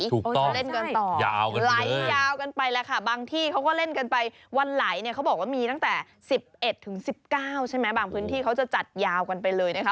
จะเล่นกันต่อยาวไหลยาวกันไปแล้วค่ะบางที่เขาก็เล่นกันไปวันไหลเนี่ยเขาบอกว่ามีตั้งแต่๑๑ถึง๑๙ใช่ไหมบางพื้นที่เขาจะจัดยาวกันไปเลยนะคะ